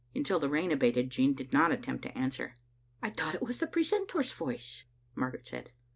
Until the rain abated Jean did not attempt to answer. "I thought it was the precentor's voice," Margaret said.